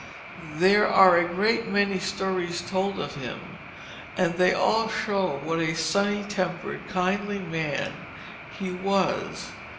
There are a great many stories told of him, and they all show what a sunny tempered, kindly man he was.